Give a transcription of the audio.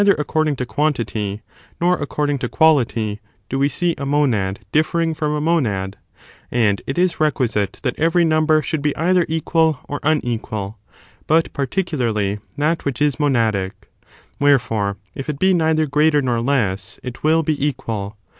373 according to quantity, nor according to quality, do we see a monad differing from a monad; and it is requisite that every number should be either equal or unequal : but parti cularly that which is monadic. Wherefore, if it be neither greater nor less it will be equal.